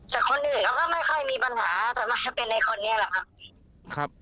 แต่คนอื่นเขาก็ไม่ค่อยมีปัญหาส่วนมากจะเป็นในคนนี้แหละครับ